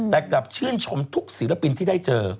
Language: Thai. แต่กลับชื่นชมทุกศิลปินที่ได้เจอ